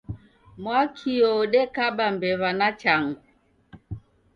Mwakio odekaba mbewa na changu.